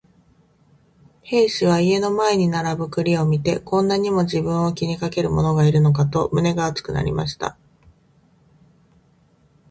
兵十は家の前に並ぶ栗を見て、こんなにも自分を気にかける者がいるのかと胸が熱くなりました。